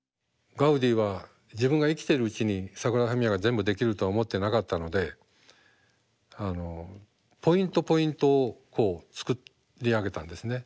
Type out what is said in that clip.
ガウディは自分が生きてるうちにサグラダ・ファミリアが全部できるとは思ってなかったのでポイントポイントをこう作り上げたんですね。